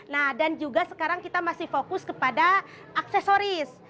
nah dan juga sekarang kita masih fokus kepada aksesoris